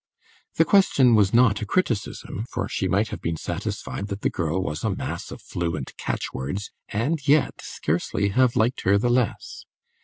The question was not a criticism, for she might have been satisfied that the girl was a mass of fluent catch words and yet scarcely have liked her the less.